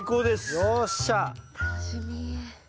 楽しみ。